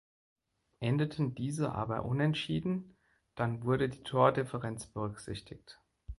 Endeten diese aber unentschieden, dann wurde die Tordifferenz berücksichtigt.